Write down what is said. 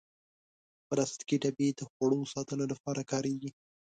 پلاستيکي ډبې د خواړو ساتلو لپاره کارېږي.